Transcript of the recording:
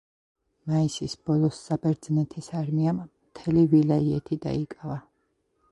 მაისის ბოლოს საბერძნეთის არმიამ მთელი ვილაიეთი დაიკავა.